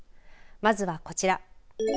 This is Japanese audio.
まずはこちら。